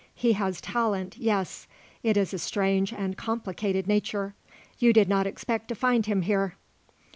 He has talent, yes; it is a strange and complicated nature. You did not expect to find him here?"